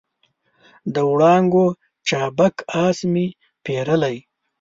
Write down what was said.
د وړانګو چابک آس مې پیرلی